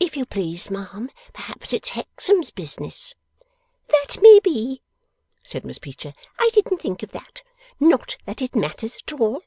'If you please, ma'am, perhaps it's Hexam's business?' 'That may be,' said Miss Peecher. 'I didn't think of that. Not that it matters at all.